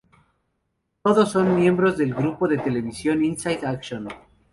Todos son miembros del grupo de televisión Inside Action.